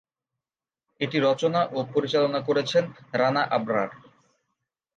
এটি রচনা ও পরিচালনা করেছেন রানা আবরার।